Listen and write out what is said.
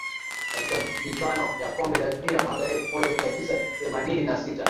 katika michuano ya kombe la dunia mwaka elfu moja mia tisa themanini na sita